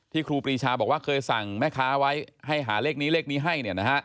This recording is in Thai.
ที่ครูปรีชาบอกว่าเคยสั่งแม่ค้าให้ให้หาเลขนี้ให้